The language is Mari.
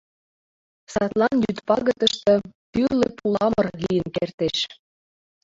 Садлан йӱд пагытыште тӱрлӧ пуламыр лийын кертеш.